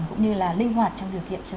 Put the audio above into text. cũng như là linh hoạt trong điều kiện